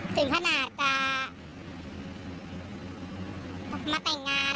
ถึงขนาดพามาแต่งงาน